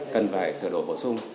cần phải sửa đổi bổ sung